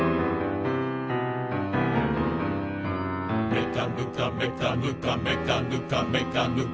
「めかぬかめかぬかめかぬかめかぬか」